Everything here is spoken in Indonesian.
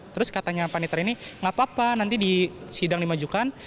terus katanya panitra ini nggak apa apa nanti di sidang dimajukan